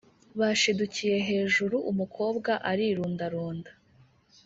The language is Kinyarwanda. Bashidukiye hejuru umukobwa arirundarunda